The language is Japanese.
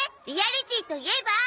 リアリティーといえば。